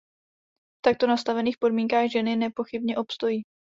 V takto nastavených podmínkách ženy nepochybně obstojí.